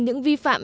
những vi phạm